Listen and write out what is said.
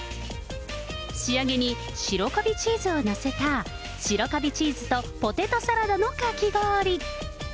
仕上げにしろカビチーズを載せた、しろカビチーズとポテトサラダのかき氷。